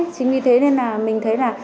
chính vì thế nên là mình thấy là